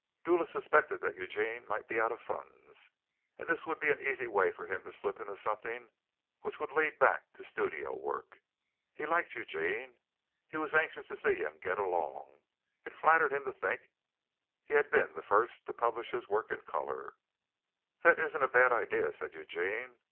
Dula suspected that Eugene might be out of funds, and this would be an easy way for him to slip into something which would lead back to studio work. He liked Eugene. He was anxious to see him get along. It flattered him to think he had been the first to publish his work in color. "That isn't a bad idea," said Eugene.